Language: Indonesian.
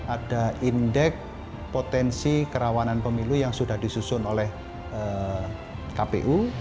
ada indeks potensi kerawanan pemilu yang sudah disusun oleh kpu